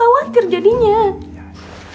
malah masuk rumah sakit kayak gini